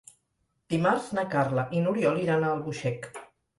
Dimarts na Carla i n'Oriol iran a Albuixec.